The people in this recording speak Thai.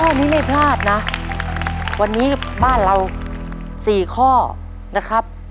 ข้อนี้ไม่พลาดนะวันนี้บ้านเรา๔ข้อนะครับ